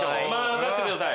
任してください。